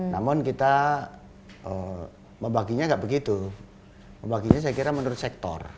namun kita membaginya nggak begitu membaginya saya kira menurut sektor